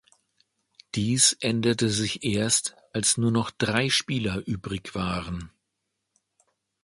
Dies änderte sich erst, als nur noch drei Spieler übrig waren.